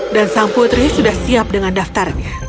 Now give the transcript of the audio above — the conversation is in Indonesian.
dan sang putri sudah siap dengan daftarnya